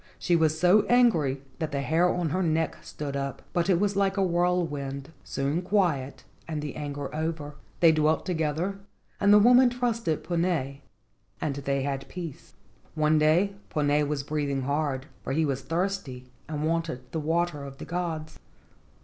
She was so angry that the hair on her neck rose up, but it was like a whirlwind, soon quiet and the anger over. They dwelt together, and the woman trusted Puna, and they had peace. One day Puna was breathing hard, for he was thirsty and wanted the water of the gods.